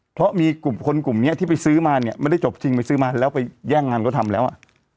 เพราะมีกลุ่มคนกลุ่มนี้ที่ไปซื้อมาเนี่ยไม่ได้จบจริงไปซื้อมาแล้วไปแย่งงานก็ทำแล้วอ่ะ